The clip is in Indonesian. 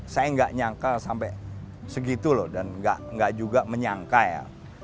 saya nggak nyangka sampai segitu loh dan nggak juga menyangka ya